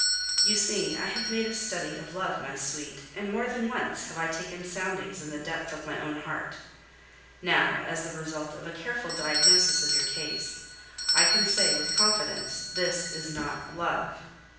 You see, I have made a study of love, my sweet, and more than once have I taken soundings in the depth of my own heart. Now, as the result of a careful diagnosis of your case, I can say with confidence, this is not love.